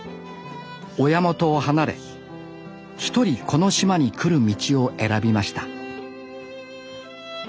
親元を離れ１人この島に来る道を選びました